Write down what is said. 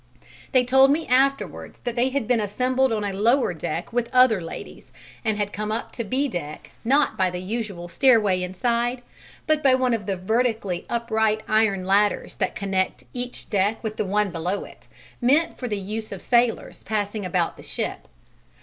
They told me afterwards that they had been assembled on a lower deck with other ladies, and had come up to B deck not by the usual stairway inside, but by one of the vertically upright iron ladders that connect each deck with the one below it, meant for the use of sailors passing about the ship.